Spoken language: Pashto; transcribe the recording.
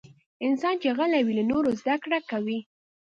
انسان چې غلی وي، له نورو زدکړه کوي.